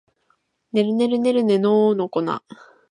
ねるねるねるねの一の粉